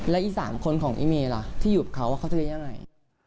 และอีก๓คนของอีเมย์ล่ะที่อยู่กับเขาเขาจะได้ยังไง